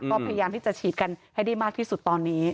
ก็พยายามที่จะฉีดกันให้ได้มากที่สุดตอนนี้